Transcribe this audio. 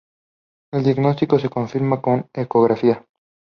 El diagnóstico se confirma con ecografía.